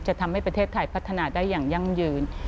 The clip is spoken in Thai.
จะทำให้ประเทศไทยพัฒนาได้อย่างยั่งยืน